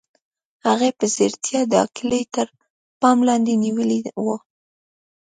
هغې په ځیرتیا دا کلی تر پام لاندې نیولی و